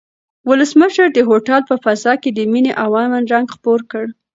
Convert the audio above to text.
ولسمشر د هوټل په فضا کې د مینې او امن رنګ خپور کړ.